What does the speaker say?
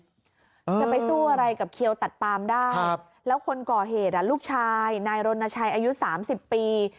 จะไปสู้อะไรกับเคียวตัดปามได้แล้วคนก่อเหตุลูกชายนายรณชัยอายุ๓๐ปี